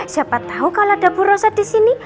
siapa tau kalau ada bu rosa disini